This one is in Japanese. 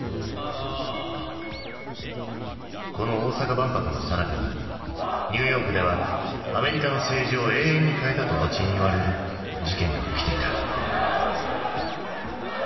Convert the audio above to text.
この大阪万博のさなかにニューヨークでは「アメリカの政治を永遠に変えた」と後にいわれる事件が起きていた。